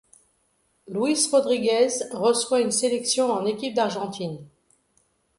Luis Rodríguez reçoit une sélection en équipe d'Argentine.